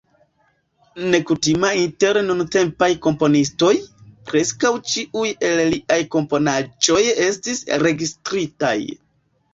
Nekutima inter nuntempaj komponistoj, preskaŭ ĉiuj el liaj komponaĵoj estis registritaj.